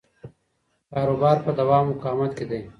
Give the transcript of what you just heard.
کاروبار په دوام او مقاومت کې دی.